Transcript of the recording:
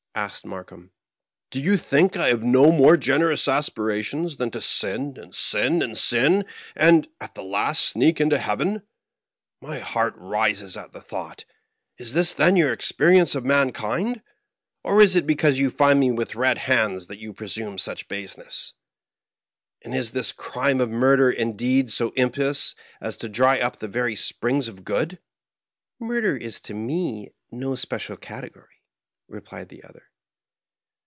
asked Markheim. "Do you think I have no more gen erous aspirations than to sin, and sin, and sin, and, at the last, sneak into heaven ? My heart rises at the thought. Is this, then, your experience of mankind? or is it be cause you find me with red hands that you presume such baseness? And is this crime of murder indeed so im pious as to dry up the very springs of good?" " Murder is to me no special category," replied the other.